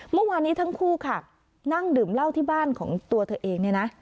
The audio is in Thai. เมื่อวานนี้ทั้งคู่ค่ะนั่งดื่มเหล้าที่บ้านของตัวเธอเองเนี่ยนะ